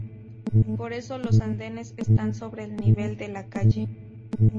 Por eso, los andenes están sobre el nivel de la calle.